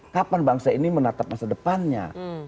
kapan bangsa ini menatap masa depannya